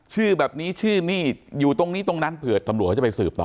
ชื่อแบบนี้ชื่อนี่อยู่ตรงนี้ตรงนั้นเผื่อตำรวจเขาจะไปสืบต่อ